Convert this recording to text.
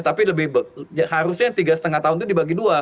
tapi lebih harusnya tiga lima tahun itu dibagi dua